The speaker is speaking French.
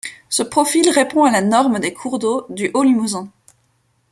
Ce profil répond à la norme des cours d'eau du haut Limousin.